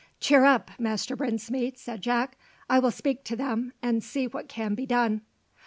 "Cheer up, Master Brinsmead!" said Jack. "I will speak to them, and see what can be done."